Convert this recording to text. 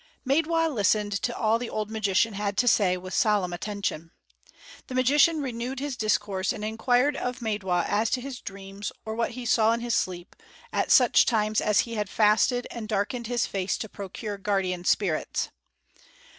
Maidwa listened to all the old magician had to say with solemn attention. The magician renewed his discourse and inquired of Maidwa as to his dreams, or what he saw in his sleep, at such times as he had fasted and darkened his face to procure guardian spirits.